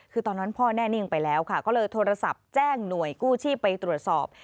คือตอนนั้นพ่อแน่นิ่งไปแล้วค่ะก็เลยโทรศัพท์แจ้งหน่วยกู้ชีพไปตรวจสอบ